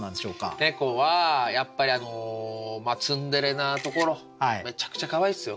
猫はやっぱりツンデレなところめちゃくちゃかわいいっすよ。